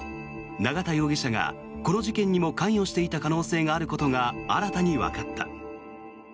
永田容疑者がこの事件にも関与していた疑いがあることが新たにわかった。